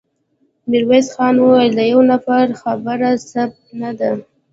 ميرويس خان وويل: د يوه نفر خبره ثبوت نه ده.